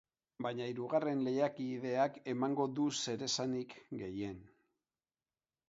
Baina hirugarren lehiakideak emango du zeresanik gehien.